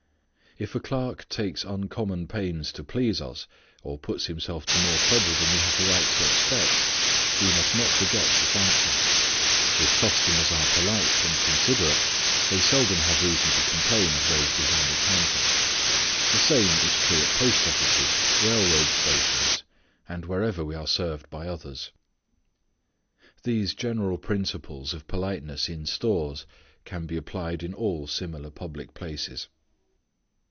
If a clerk takes uncommon pains to please us, or puts himself to more trouble than we have a right to expect, we must not forget to thank him. If customers are polite and considerate, they seldom have reason to complain of those behind the counter. The same is true at post offices, railroad stations, and wherever we are served by others. These general principles of politeness in stores can be applied in all similar public places.